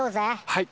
はい！